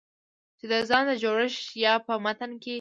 چې د ځان د جوړښت يا په متن کې